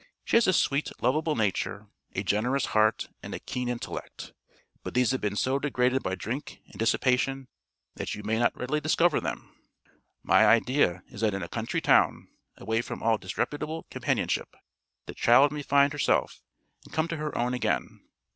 She has a sweet, lovable nature, a generous heart and a keen intellect, but these have been so degraded by drink and dissipation that you may not readily discover them. My idea is that in a country town, away from all disreputable companionship, the child may find herself, and come to her own again.